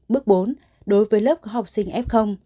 bước bốn đối với lớp học sinh f